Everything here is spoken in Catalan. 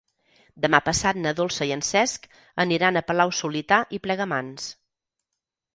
Demà passat na Dolça i en Cesc aniran a Palau-solità i Plegamans.